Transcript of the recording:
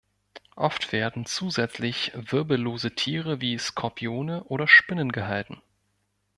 Oft werden zusätzlich wirbellose Tiere wie Skorpione und Spinnen gehalten.